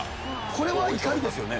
これは怒りですよね？